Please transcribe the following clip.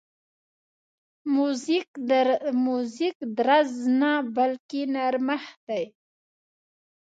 موزیک درز نه، بلکې نرمښت دی.